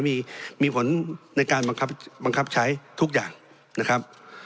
มีผลในการบังคับใช้ทุกอย่างนะครับ